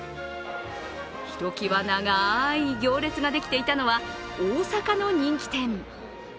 ひときわ長い行列ができていたのは大阪の人気店。